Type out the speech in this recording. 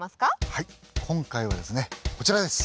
はい今回はですねこちらです。